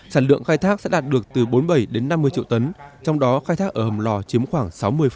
sản lượng khai thác sẽ đạt được từ bốn mươi bảy đến năm mươi triệu tấn trong đó khai thác ở hầm lò chiếm khoảng sáu mươi